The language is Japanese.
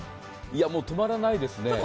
止まらないですね。